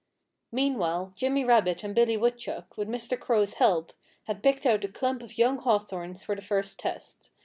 Meanwhile Jimmy Rabbit and Billy Woodchuck, with Mr. Crow's help, had picked out a clump of young hawthorns for the first test.